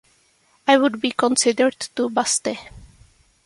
I would be considered too busty.